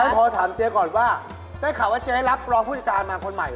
จะขอถามเจ๊ก่อนว่าเจ๊ขอว่าเจ๊รับรอผู้จักรมาคนใหม่เหรอ